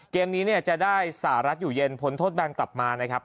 เกมนี้เนี่ยจะได้สหรัฐอยู่เย็นพ้นโทษแบนกลับมานะครับ